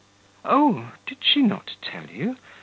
"Oh, did she not tell you?